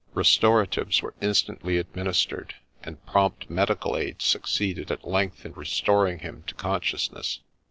Restoratives were instantly administered, and prompt medical aid succeeded at length in restoring him to consciousness.